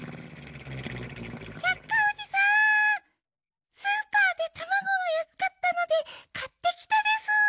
百科おじさんスーパーでたまごがやすかったのでかってきたでスー。